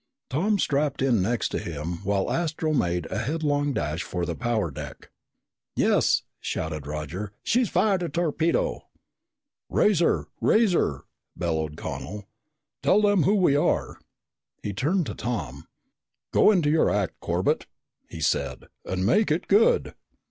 Tom strapped in next to him, while Astro made a headlong dash for the power deck. "Yes!" shouted Roger. "She's fired a torpedo!" "Raise her! Raise her!" bellowed Connel. "Tell them who we are!" He turned to Tom. "Go into your act, Corbett," he said, "and make it good!"